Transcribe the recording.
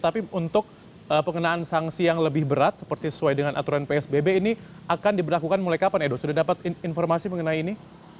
tapi untuk pengenaan sanksi yang lebih berat seperti sesuai dengan aturan psbb ini akan diberlakukan mulai kapan edo sudah dapat informasi mengenai ini